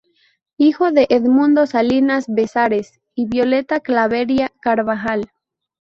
Hijo de Edmundo Salinas Bezares y Violeta Clavería Carvajal.